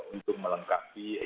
untuk melengkapi ekonstruksi dari